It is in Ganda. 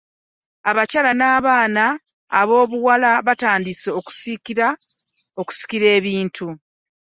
Abakyala n’abaana aboobuwala batandise okusikira ebintu.